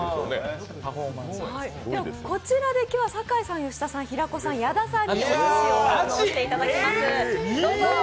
こちらで今日は酒井さん、吉田さん、平子さん、吉田さん、矢田さんにおすしを堪能していただきます、どうぞ。